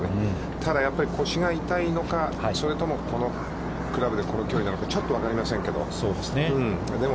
ただ、やっぱり腰が痛いのか、それともこのクラブでこの距離なのか、ちょっと分かりませんけれども。